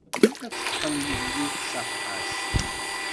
Ad t-teqqen yelli ṣaḥa-s.